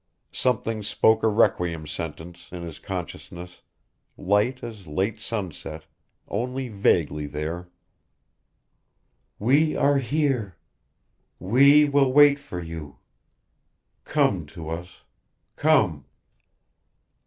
Something spoke a requiem sentence in his consciousness, light as late sunset, only vaguely there. "We are here we will wait for you ... come to us ... come